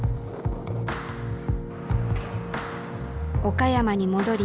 岡山に戻り